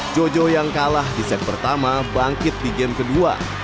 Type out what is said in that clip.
jojo yang kalah di set pertama bangkit di game kedua